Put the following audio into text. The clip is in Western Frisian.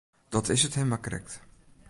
Dat is it him mar krekt.